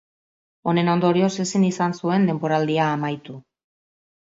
Honen ondorioz ezin izan zuen denboraldia amaitu.